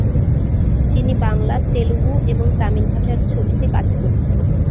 যিনি বাংলা, তেলুগু এবং তামিল ভাষার ছবিতে কাজ করেছেন।